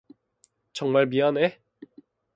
정말 미안해.